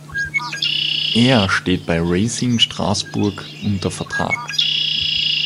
Er steht beim Racing Straßburg unter Vertrag.